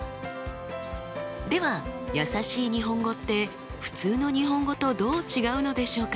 ではやさしい日本語って普通の日本語とどう違うのでしょうか？